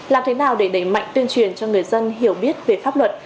làm thế nào để đẩy mạnh tuyên truyền cho người dân hiểu biết về pháp luật